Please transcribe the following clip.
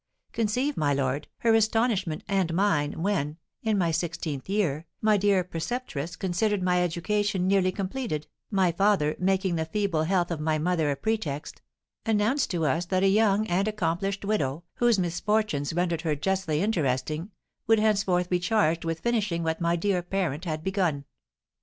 Conceive, my lord, her astonishment and mine when, in my sixteenth year, my dear preceptress considered my education nearly completed, my father making the feeble health of my mother a pretext announced to us that a young and accomplished widow, whose misfortunes rendered her justly interesting, would henceforth be charged with finishing what my dear parent had begun.